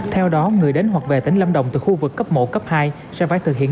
theo đó người đến hoặc về tỉnh lâm đồng từ khu vực cấp một cấp hai sẽ phải thực hiện